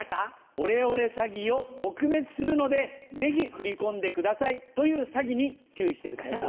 オレオレ詐欺を撲滅するのでぜひ振り込んでくださいという詐欺に注意してください。